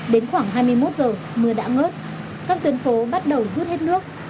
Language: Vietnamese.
đến khoảng hai mươi một giờ mưa đã ngớt các tuyến phố bắt đầu rút hết nước